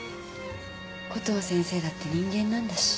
コトー先生だって人間なんだし。